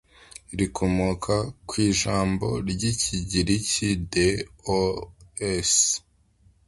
Rikomoka kw ijambo ry ikigiriki the os